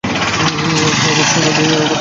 আমার সোনা দিয়ে মেরো না!